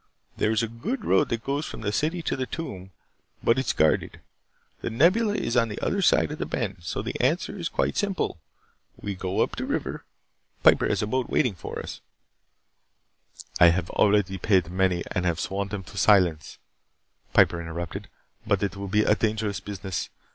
There is a good road that goes from the city to the tomb, but it is guarded. The Nebula is on the other side of the bend. So the answer is quite simple. We go up the river. Piper has a boat waiting for us " "I have already paid many and have sworn them to silence," Piper interrupted. "But it will be a dangerous business.